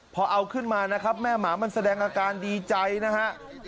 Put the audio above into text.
พอเอาขึ้นมานะครับแม่หมามันแสดงอาการดีใจนะฮะ